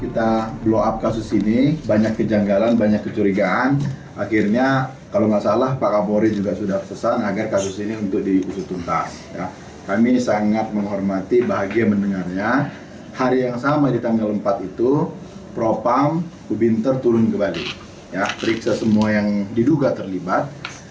tidak ada pihak pihak lain yang terlibat